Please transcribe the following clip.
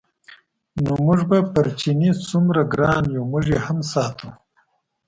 نو موږ به پر چیني څومره ګران یو موږ یې هم ساتو.